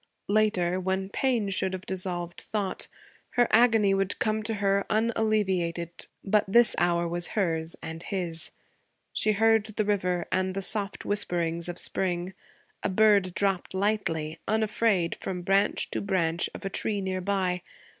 Later, when pain should have dissolved thought, her agony would come to her unalleviated; but this hour was hers, and his. She heard the river and the soft whisperings of spring. A bird dropped lightly, unafraid, from branch to branch of a tree near by.